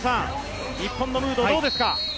日本のムードどうですか。